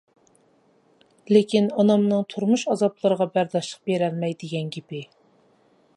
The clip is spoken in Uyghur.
-لېكىن ئانامنىڭ تۇرمۇش ئازابلىرىغا بەرداشلىق بېرەلمەي دېگەن گېپى!